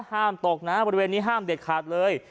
ห้ามตกนะบริเวณนี้ห้ามเด็ดขาดเลย